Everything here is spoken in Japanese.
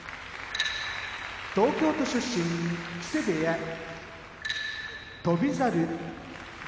東京都出身木瀬部屋翔猿